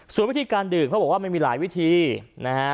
ส่วนวิธีการดื่มเขาบอกว่ามันมีหลายวิธีนะฮะ